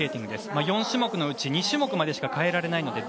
４種目のうち２種目までしか変えられません。